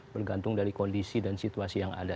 bergantung dari kondisi dan situasi yang ada